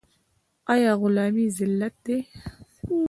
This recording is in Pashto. آیا غلامي ذلت دی؟